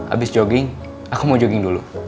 abis jogging aku mau jogging dulu